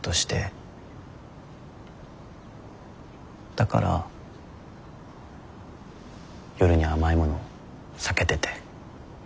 だから夜に甘いもの避けてて。